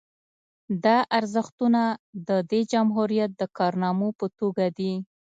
دا ارزښتونه د دې جمهوریت د کارنامو په توګه دي